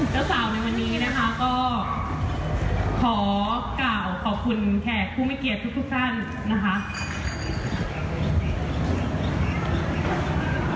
เจ้าสาวในวันนี้นะคะก็ขอกล่าวขอบคุณแขกผู้ไม่เกียรติทุกท่านนะคะ